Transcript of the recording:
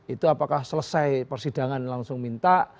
itu apakah selesai persidangan langsung minta